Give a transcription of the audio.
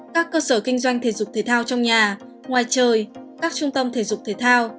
các cơ sở kinh doanh thể dục thể thao trong nhà ngoài trời các trung tâm thể dục thể thao